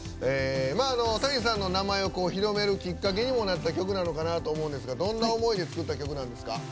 Ｔａｎｉさんの名前を広めるきっかけにもなった曲かなと思うんですがどんな思いで作った曲なんですか？